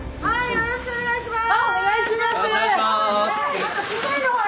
よろしくお願いします。